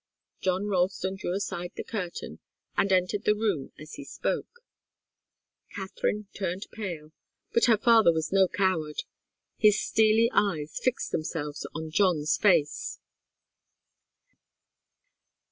John Ralston drew aside the curtain, and entered the room as he spoke. Katharine turned pale, but her father was no coward. His steely eyes fixed themselves on John's face.